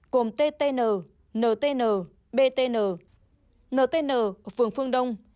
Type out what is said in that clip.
cùng ttn ntn btn ntn ở phường phương đông